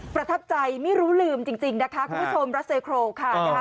ประทับใจไม่รู้ลืมจริงนะคะคุณผู้ชมรัสเซโครค่ะนะคะ